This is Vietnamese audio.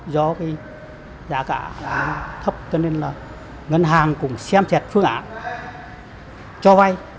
do cái giá cả thấp cho nên là ngân hàng cũng xem xét phương án cho vay